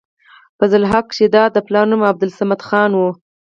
فضل حق شېدا د پلار نوم عبدالصمد خان وۀ